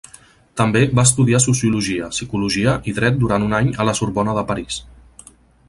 També va estudiar sociologia, psicologia i dret durant un any a la Sorbona de París.